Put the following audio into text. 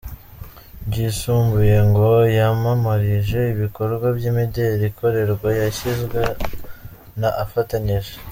Byisumbuyeho ngo yamamarije ibikorwa by’imideli. Ikorerwa Yashinzwe na afatanyije.